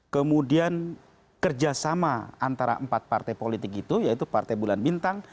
kemudian kerjasama antara empat partai politik itu yaitu partai bulan bintang